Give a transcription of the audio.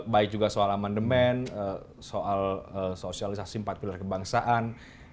baik juga soal amandemen soal sosialisasi empat pilar kebangsaan